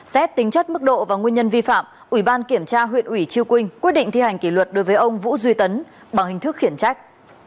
xét tính chất mức độ và nguyên nhân vi phạm ủy ban kiểm tra huyện ủy chư quynh quyết định thi hành kỷ luật đối với ông vũ duy tấn bằng hình thức khiển trách